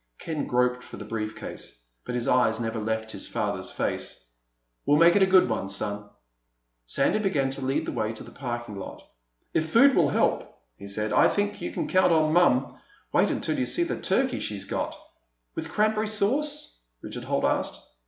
Ken groped for the brief case, but his eyes never left his father's face. "We'll make it a good one, son." Sandy began to lead the way to the parking lot. "If food will help," he said, "I think you can count on Mom. Wait until you see the turkey she's got!" "With cranberry sauce?" Richard Holt asked.